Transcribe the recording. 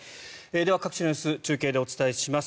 では、各地の様子中継でお伝えします。